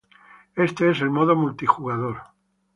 Éste es el modo multijugador.